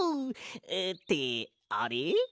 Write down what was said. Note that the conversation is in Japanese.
ってあれ？